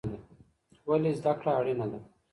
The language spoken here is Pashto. ولې زده کړه اړینه ده؟